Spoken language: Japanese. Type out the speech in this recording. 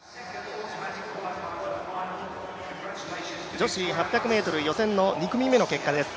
女子８００ｍ予選の２組目の結果です